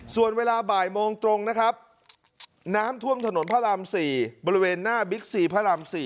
ส่วนเวลาบ่ายโมงตรงนะครับน้ำท่วมถนนพระราม๔บริเวณหน้าบิ๊กซีพระราม๔